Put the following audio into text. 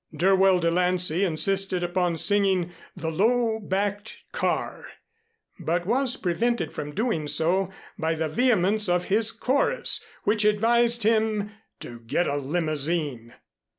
Dirwell De Lancey insisted upon singing "The Low Backed Car," but was prevented from doing so by the vehemence of his chorus which advised him to get a limousine.